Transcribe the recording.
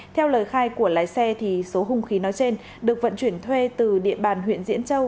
theo lời khai của lái xe số hung khí nói trên được vận chuyển thuê từ địa bàn huyện diễn châu